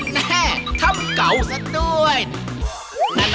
แม่ทัพเก่าซะด้วย